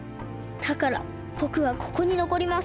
だからぼくはここにのこります。